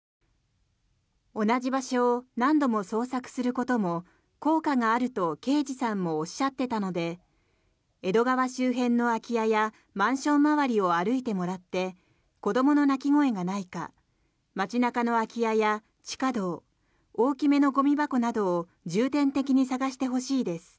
同じ場所を何度も捜索することも効果があると刑事さんもおっしゃってたので江戸川周辺の空き家やマンション周りを歩いてもらって子どもの泣き声がないか街中の空き家や地下道大きめのゴミ箱などを重点的に探してほしいです。